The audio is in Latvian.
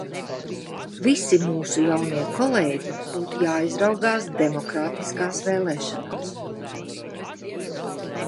Visi mūsu jaunie kolēģi būtu jāizraugās demokrātiskās vēlēšanās.